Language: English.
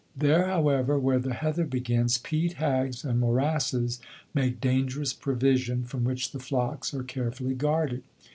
There, however, where the heather begins, peat hags and morasses make dangerous provision, from which the flocks are carefully guarded.